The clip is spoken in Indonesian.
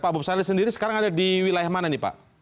pak bob salil sendiri sekarang ada di wilayah mana nih pak